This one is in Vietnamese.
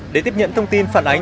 để tiếp nhận thông tin phản ánh